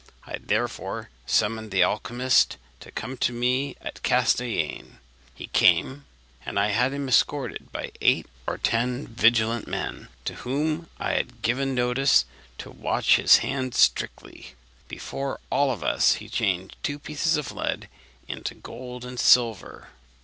I therefore summoned the alchymist to come to me at Castellane. He came; and I had him escorted by eight or ten vigilant men, to whom I had given notice to watch his hands strictly. Before all of us he changed two pieces of lead into gold and silver.